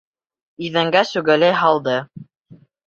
Иҙәнгә сүгәләй һалды.